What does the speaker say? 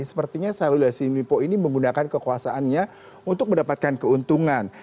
sepertinya syahrul yassin limpo ini menggunakan kekuasaannya untuk mendapatkan keuntungan